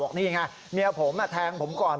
นี่ไงเมียผมแทงผมก่อน